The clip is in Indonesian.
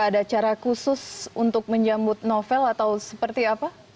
ada cara khusus untuk menyambut novel atau seperti apa